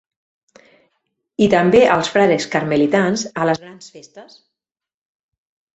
I també els frares carmelitans, a les grans festes.